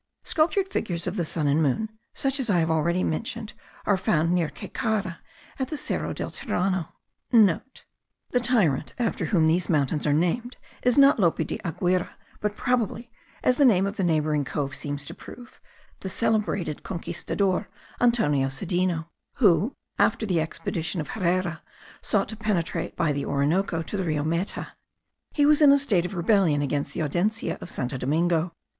Sculptured figures of the sun and moon, such as I have already mentioned, are found near Caycara, at the Cerro del Tirano.* (* The tyrant after whom these mountains are named is not Lope de Aguirre, but probably, as the name of the neighbouring cove seems to prove, the celebrated conquistador Antonio Sedeno, who, after the expedition of Herrera, sought to penetrate by the Orinoco to the Rio Meta. He was in a state of rebellion against the audiencia of Santo Domingo.